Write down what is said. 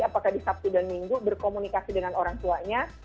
apakah di sabtu dan minggu berkomunikasi dengan orang tuanya